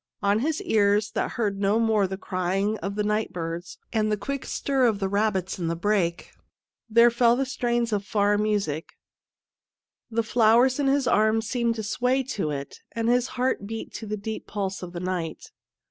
On his ears, that heard no more the crying of the night birds and the quick stir of the rabbits in the brake, there fell the strains of far music. The flowers in his arms seemed to sway to it, and his heart beat to the deep pulse of the night.